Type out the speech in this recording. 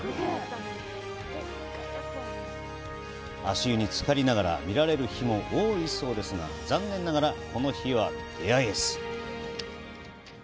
足湯につかりながら見られる日も多いそうですが、残念ながら、この日は出会えず。